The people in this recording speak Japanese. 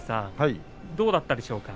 どうだったでしょうか。